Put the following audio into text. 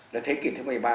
là thế kỷ thứ một mươi ba